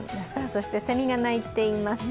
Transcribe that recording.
そしてセミが鳴いています。